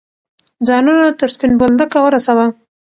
ځانونه تر سپین بولدکه ورسوه.